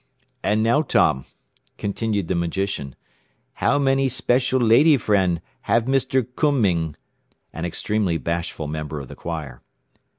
"And now, Tom," continued the magician, "how many special lady friend have Mr. Kumming (an extremely bashful member of the choir)?...